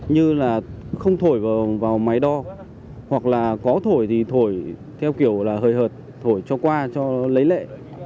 như là không thổi vào máy đo hoặc là có thổi thì thổi theo kiểu là hời hợt thổi cho qua cho lấy lệ